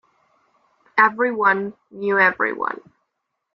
Everyone knew everyone.